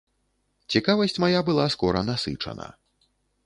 Цікавасць мая была скора насычана.